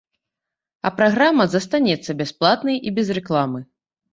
А праграма застанецца бясплатнай і без рэкламы.